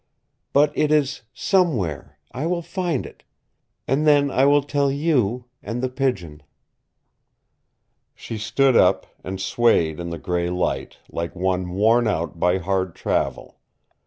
But it is somewhere, I will find it. And then I will tell you and The Pigeon." She stood up, and swayed in the gray light, like one worn out by hard travel.